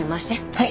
はい。